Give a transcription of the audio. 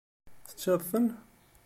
Teččiḍ-ten?